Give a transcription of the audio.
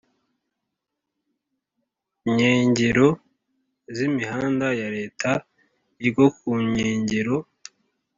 nkengero z imihanda ya Leta iryo ku nkengero